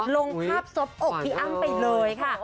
ลงภาพซบอกพี่อ้ำไปเลยค่ะ